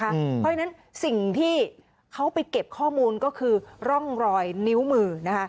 เพราะฉะนั้นสิ่งที่เขาไปเก็บข้อมูลก็คือร่องรอยนิ้วมือนะคะ